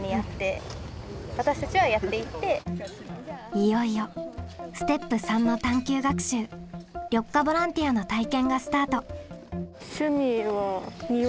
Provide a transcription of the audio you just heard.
いよいよステップ③の探究学習緑化ボランティアの体験がスタート。